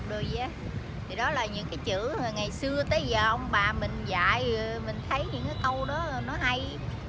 rồi vậy thì đó là những cái chữ ngày xưa tới giờ ông bà mình dạy mình thấy những cái câu đó nó hay